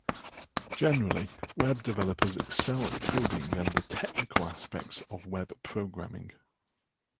Generally, web developers excel at coding and the technical aspects of web programming.